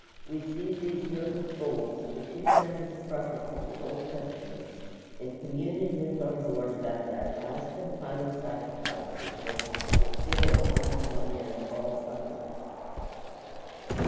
We see these noble souls, the two grandest prophets of the Old Testament, in communion with our Lord about that last and final sacrifice which was to fulfill and bring to an end all others.